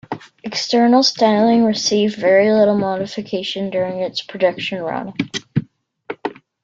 External styling received very little modification during its production run.